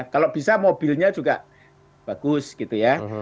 kalau bisa mobilnya juga bagus gitu ya